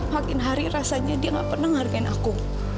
makin hari rasanya dia gak pernah menghargain aku